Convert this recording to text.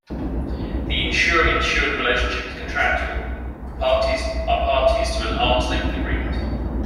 The insurer-insured relationship is contractual; the parties are parties to an arms-length agreement.